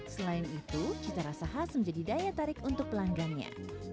selain itu cita rasa khas menjadi daya tarik untuk pelanggannya